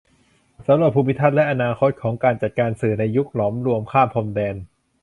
สำรวจภูมิทัศน์และอนาคตของการจัดการสื่อในยุคหลอมรวมข้ามพรมแดน